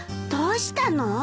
どうしたの？